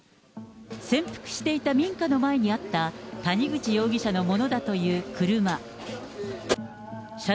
潜伏していた民家の前にあった谷口容疑者のものだという車。